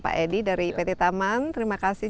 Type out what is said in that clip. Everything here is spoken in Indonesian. pak edi dari pt taman terima kasih